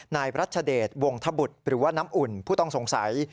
นายรัชเดชวงธบุตรหรือว่าน้ำอุ่นผู้ต้องสงสัย